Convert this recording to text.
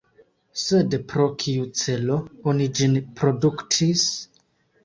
Sed pro kiu celo oni ĝin produktis?